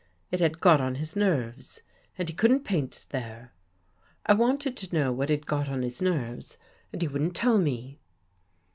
It had got on his nerves and he couldn't paint there. I wanted to know what had got on his nerves and he wouldn't tell me.